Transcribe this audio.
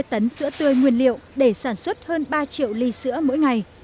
vì vậy vinamilk đã tạo ra nguyên liệu để sản xuất hơn ba triệu ly sữa mỗi ngày